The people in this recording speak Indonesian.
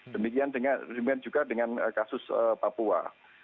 demikian juga dengan kasus papua